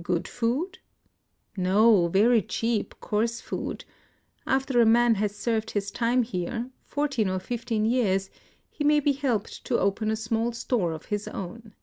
"Good food?" " No, very cheap, coarse food. After a man has served his time here, — fourteen or fifteen years, — he may be helped to open a small store of his own."